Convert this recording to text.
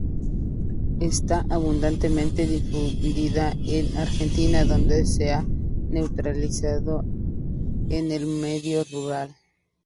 Esta abundantemente difundida en Argentina, donde se ha naturalizado en el medio rural.